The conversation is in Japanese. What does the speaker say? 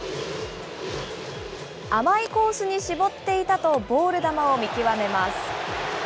甘いコースに絞っていたとボール球を見極めます。